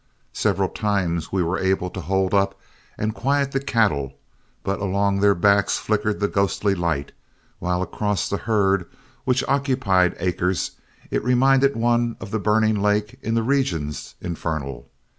Several times we were able to hold up and quiet the cattle, but along their backs flickered the ghostly light, while across the herd, which occupied acres, it reminded one of the burning lake in the regions infernal.